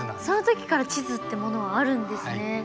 そのときから地図ってものはあるんですね！